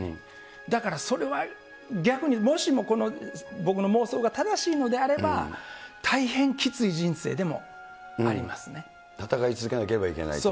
だからそれは逆に、もしもこの僕の妄想が正しいのであれば、戦い続けなければならないと。